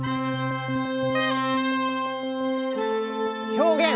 表現！